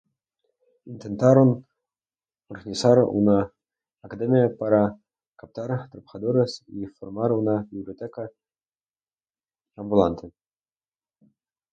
Intentaron organizar una academia para captar trabajadores y formar una biblioteca ambulante.